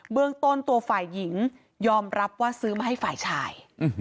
เรื่องต้นตัวฝ่ายหญิงยอมรับว่าซื้อมาให้ฝ่ายชาย